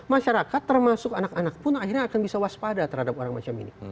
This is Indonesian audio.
masyarakat termasuk anak anak pun akhirnya akan bisa waspada terhadap orang macam ini